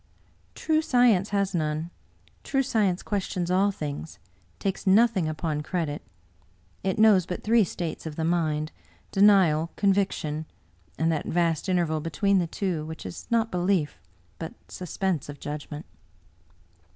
" True science has none. True science questions all things, takes nothing upon credit. It knows but three states of the mind— denial, con viction, and that vast interval between the two which is not belief but suspense of judgment."